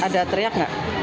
ada teriak gak